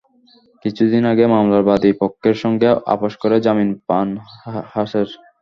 কিছুদিন আগে মামলার বাদী পক্ষের সঙ্গে আপস করে জামিন পান হাসের।